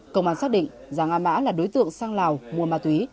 công an xác định giàng a mã là đối tượng sang lào mua ma túy